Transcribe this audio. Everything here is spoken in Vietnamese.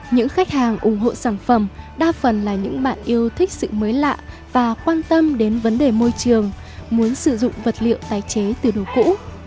những khách hàng ủng hộ sản phẩm đa phần là những bạn yêu thích sự mới lạ và quan tâm đến vấn đề môi trường muốn sử dụng vật liệu tái chế từ đồ cũ